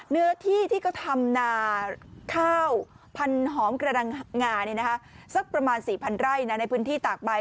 เนื้อที่ที่เขาทำนาข้าวพันหอมกระดังงาสักประมาณ๔๐๐ไร่ในพื้นที่ตากใบ